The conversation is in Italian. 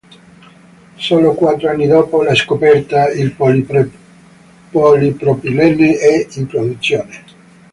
Solo quattro anni dopo la scoperta, il polipropilene è in produzione.